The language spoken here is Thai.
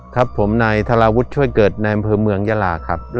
ครับผมนายทาราวุฒิช่วยเกิดในอำเภอเมืองยาลาครับ